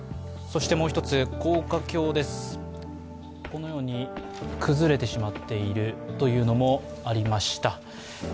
もう一つ、高架橋です、このように崩れてしまっているというのもありました。